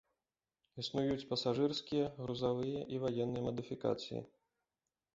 Існуюць пасажырскія, грузавыя і ваенныя мадыфікацыі.